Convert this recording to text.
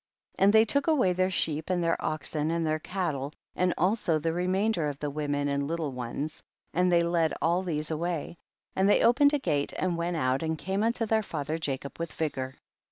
31. And they took away their sheep and their oxen and their cattle, and also the remainder of the women and little ones, and they led all these away, and they opened a gate and went out and came unto their father Jacob with vigor.